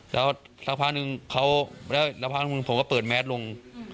แล้วสักพักนึงเขาแล้วพักหนึ่งผมก็เปิดแมสลง